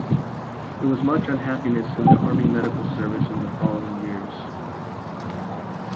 There was much unhappiness in the Army Medical Service in the following years.